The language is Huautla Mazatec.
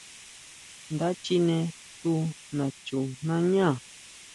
Nda chine tu nachunañá.